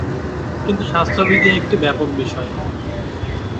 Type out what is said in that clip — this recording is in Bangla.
কিন্তু স্বাস্থ্যবিধি একটি ব্যাপক বিষয়।